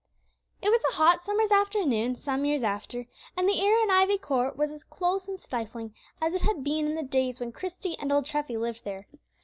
It was a hot summer's afternoon, some years after, and the air in Ivy Court was as close and stifling as it had been in the days when Christie and old Treffy lived there.